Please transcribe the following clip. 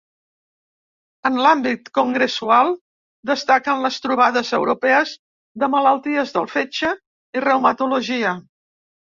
En l’àmbit congressual destaquen les trobades europees de malalties del fetge i reumatologia.